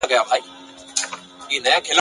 چي یې وکتل په غشي کي شهپر وو !.